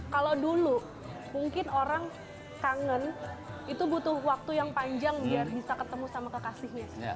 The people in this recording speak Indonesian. kalau dulu mungkin orang kangen itu butuh waktu yang panjang biar bisa ketemu sama kekasihnya